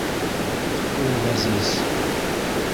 Ул Ғәзиз.